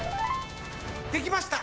できました！